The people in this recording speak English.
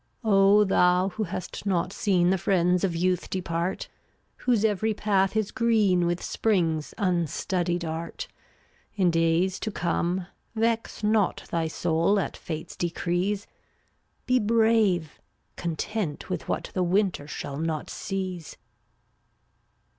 374 Oh thou who hast not seen The friends of youth depart, Whose every path is green With spring's unstudied art, In days to come, vex not Thy soul at Fate's decrees, Be brave, content with what The winter shall not seize.